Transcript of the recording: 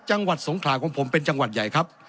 จังหวัดสงขลาของผมเป็นจังหวัดใหญ่ครับ